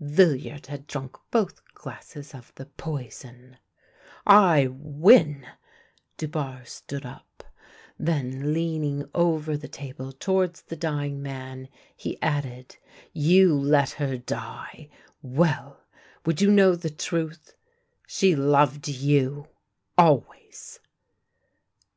Villiard had drunk both glasses of the poison !" I win !" Dubarre stood up. Then, leaning over the table towards the dying man, he added :" You let her die — well ! Would you know the truth ? She loved you — always